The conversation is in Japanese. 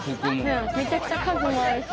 めちゃくちゃ数もあるし。